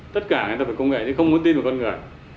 tất cả người ta phải có công nghệ nhưng không muốn tin vào con người